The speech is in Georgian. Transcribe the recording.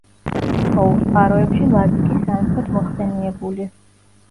უცხოურ წყაროებში ლაზიკის სამეფოდ მოხსენიებული.